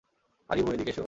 আরিভু, এদিকে এসো।